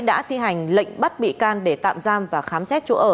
đã thi hành lệnh bắt bị can để tạm giam và khám xét chỗ ở